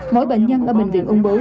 mỗi bệnh nhân ở bệnh viện u bốn